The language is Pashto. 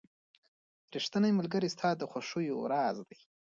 • ریښتینی ملګری ستا د خوښیو راز دی.